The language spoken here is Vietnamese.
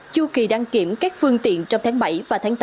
chung kỳ đăng kiểm các phương tiện trong tháng bảy và tháng tám